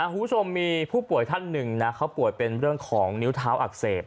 คุณผู้ชมมีผู้ป่วยท่านหนึ่งนะเขาป่วยเป็นเรื่องของนิ้วเท้าอักเสบ